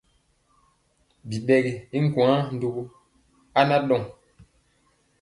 Biɗɛgi i nkwaŋ ndugu aa ɗɔŋ.